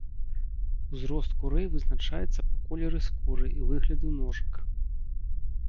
Узрост курэй вызначаецца па колеры скуры і выгляду ножак.